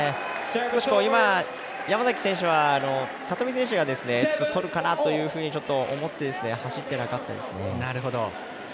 今、山崎選手は里見選手がとるかなというふうにちょっと思って走ってなかったですね。